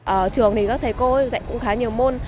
ở trường thì các thầy cô dạy cũng khá nhiều môn